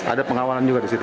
ada pengawalan juga disitu